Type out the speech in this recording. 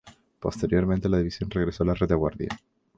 Posteriormente la división regresó a la retaguardia.